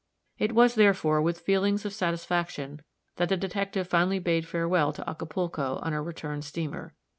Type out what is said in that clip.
It was, therefore, with feelings of satisfaction that the detective finally bade farewell to Acapulco on a return steamer.